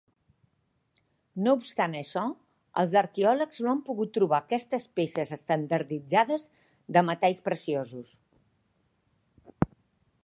No obstant això, els arqueòlegs no han pogut trobar aquestes peces estandarditzades de metalls preciosos.